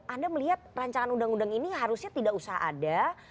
anda melihat rancangan undang undang ini harusnya tidak usah ada